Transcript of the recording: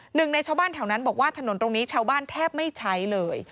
หนึ่งในชาวบ้านแถวนั้นบอกว่าถนนตรงนี้ชาวบ้านแทบไม่ใช้เลย